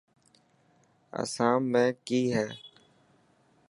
اسام ۾ ڪي هي.